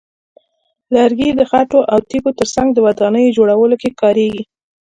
لرګي د خټو او تیږو ترڅنګ د ودانیو جوړولو کې کارېږي.